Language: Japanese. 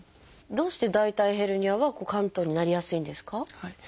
どうして大腿ヘルニアは嵌頓になりやすいんですか？